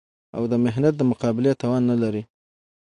او د محنت د مقابلې توان نه لري